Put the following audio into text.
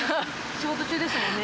仕事中ですもんね。